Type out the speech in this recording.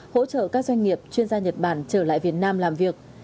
hỗ trợ các doanh nghiệp chuyên gia nhật bản trở lại việt nam làm việc